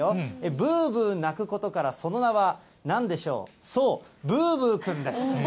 ぶーぶー鳴くことから、その名は、なんでしょう、そう、ブーブーくんですね。